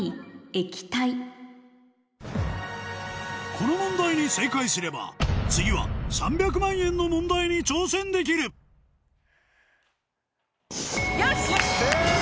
この問題に正解すれば次は３００万円の問題に挑戦できる正解！